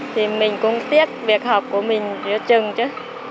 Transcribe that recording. thì mình cũng tiếc việc học của mình giữa chừng chứ